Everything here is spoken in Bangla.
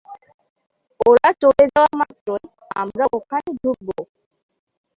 ওরা চলে যাওয়া মাত্রই আমরা ওখানে ঢুকবো।